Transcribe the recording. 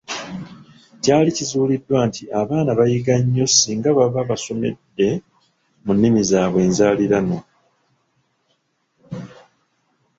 Kyali kizuuliddwa nti abaana bayiga nnyo ssinga baba basomedde mu nnimi zaabwe enzaaliranwa.